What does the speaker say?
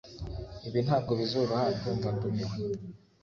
Ibi ntabwo bizoroha ndumva ndumiwe